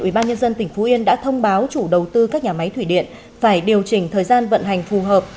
ubnd tỉnh phú yên đã thông báo chủ đầu tư các nhà máy thủy điện phải điều chỉnh thời gian vận hành phù hợp